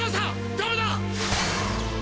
ダメだ！